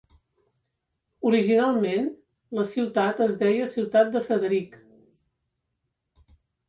Originalment la ciutat es deia "Ciutat de Frederick".